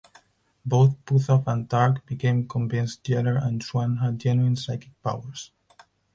Both Puthoff and Targ became convinced Geller and Swann had genuine psychic powers.